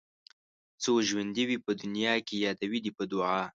څو ژوندي وي په دنيا کې يادوي دې په دعا